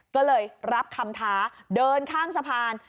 ก็เลยรับคำท้าเดินข้ามสะพาน